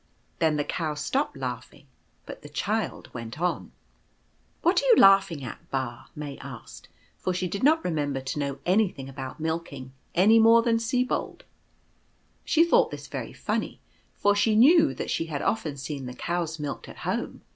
Then the Cow stopped laughing, but the Child went on. " What are you laughing at, Ba? " May asked, for she did not remember to know anything about milking, any Milking. l 79 more than Sibold. She thought this very funny, for she knew that she had often seen the cows milked at home.